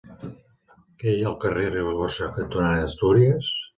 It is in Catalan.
Què hi ha al carrer Ribagorça cantonada Astúries?